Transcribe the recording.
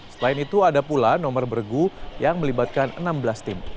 selain itu ada pula nomor bergu yang melibatkan enam belas tim